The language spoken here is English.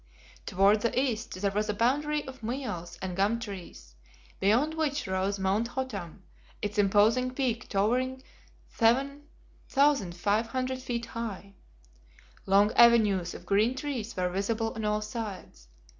Toward the east there was a boundary of myalls and gum trees, beyond which rose Mount Hottam, its imposing peak towering 7,500 feet high. Long avenues of green trees were visible on all sides.